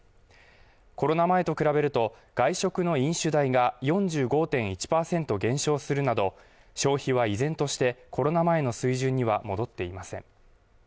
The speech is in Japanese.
コロナ前と比べると外食の飲酒代が４５．１％減少するなど消費は依然としてコロナ前の水準には戻っていません